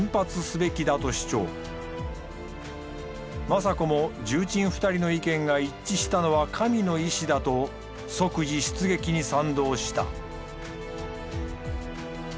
政子も重鎮２人の意見が一致したのは神の意思だと即時出撃に賛同した。